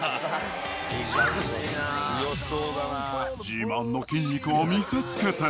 ［自慢の筋肉を見せつけて］